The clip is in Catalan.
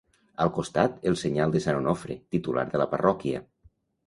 Al costat, el senyal de sant Onofre, titular de la parròquia.